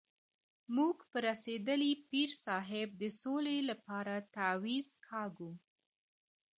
موږ په رسېدلي پیر صاحب د سولې لپاره تعویض کاږو.